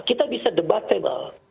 kita bisa debatable